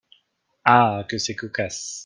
Ah ! que c’est cocasse !